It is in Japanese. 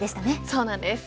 そうなんです。